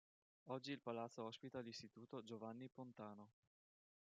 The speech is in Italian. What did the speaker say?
Oggi il palazzo ospita l'istituto "Giovanni Pontano".